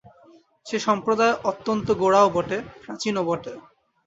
সে সম্প্রদায় অত্যন্ত গোঁড়াও বটে, প্রাচীনও বটে।